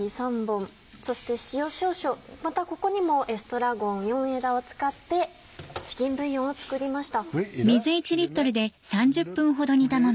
またここにもエストラゴン４枝を使ってチキンブイヨンを作りました。